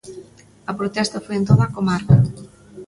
A protesta foi en toda a comarca.